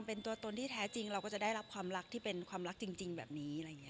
เป็นตัวตนที่แท้จริงเราก็จะได้รับความรักที่เป็นความรักจริงแบบนี้อะไรอย่างนี้